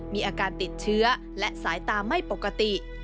มีอาการติดเชื้อและสายตาไม่ปกติ